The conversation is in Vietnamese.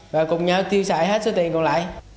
và cùng nhau tiêu xài hết số tiền còn lại